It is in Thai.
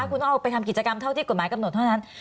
คุณต้องเอาไปทำกิจกรรมเท่าที่กฎหมายกำหนดเท่านั้น